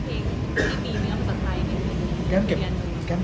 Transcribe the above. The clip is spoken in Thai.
ที่มีเนื้อภาษาไทย